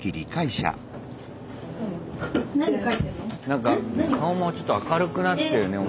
何か顔もちょっと明るくなってるね